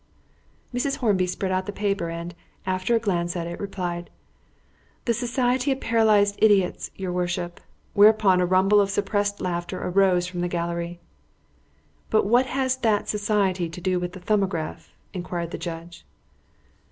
Mrs. Hornby spread out the paper and, after a glance at it, replied "The Society of Paralysed Idiots, your worship," whereat a rumble of suppressed laughter arose from the gallery. "But what has that society to do with the 'Thumbograph'?" inquired the judge.